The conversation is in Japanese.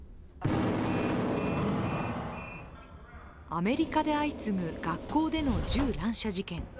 アメリカで相次ぐ学校での銃乱射事件。